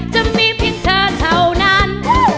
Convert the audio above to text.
จะมีเพียงเธอเท่านั้น